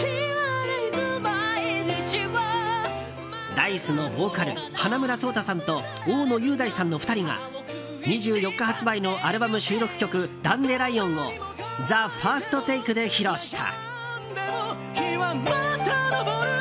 Ｄａ‐ｉＣＥのボーカル花村想太さんと大野雄大さんの２人が２４日発売のアルバム収録曲「ダンデライオン」を「ＴＨＥＦＩＲＳＴＴＡＫＥ」で披露した。